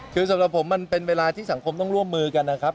คือสำหรับผมมันเป็นเวลาที่สังคมต้องร่วมมือกันนะครับ